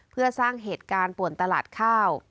เพื่อสร้างเหตุการณ์ป่วนตลาดข้าว